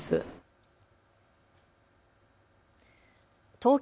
東京